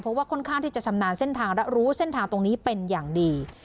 เพราะว่าค่อนข้างที่จะชำนาญเส้นทางและรู้เส้นทางตรงนี้เป็นอย่างดี